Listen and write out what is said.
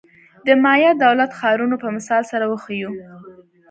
د مایا دولت-ښارونو په مثال سره وښیو.